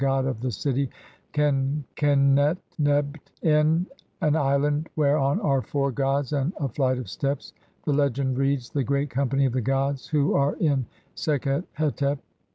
god of the city, Qenqen[et nebt]". (n) An island whereon are four gods and a flight of steps ; the legend reads : "The great company of the gods who are in Sekhet hetep."